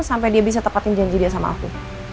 sampai dia bisa tepatin janji dia sama aku